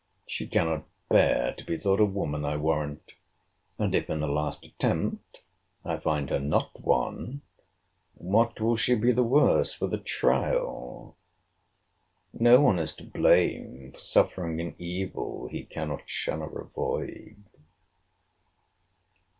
She cannot bear to be thought a woman, I warrant! And if, in the last attempt, I find her not one, what will she be the worse for the trial?—No one is to blame for suffering an evil he cannot shun or avoid.